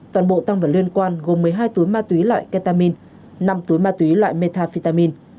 toàn bộ tăng vật liên quan gồm một mươi hai túi ma túy loại ketamine năm túi ma túy loại metafetamin